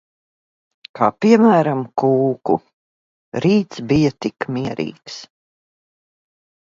Kā piemēram, kūku. Rīts bij tik mierīgs.